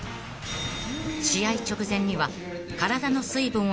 ［試合直前には］